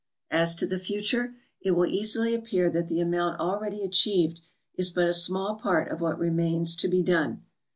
As to the future, it will easily appear that the amount already achieved is but a small part of what remains to be done.